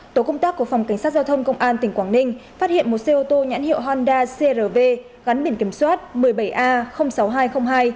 tổ công tác của phòng cảnh sát giao thông công an tỉnh quảng ninh phát hiện một xe ô tô nhãn hiệu honda crv gắn biển kiểm soát một mươi bảy a sáu nghìn hai trăm linh hai